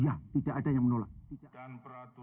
iya tidak ada yang menolak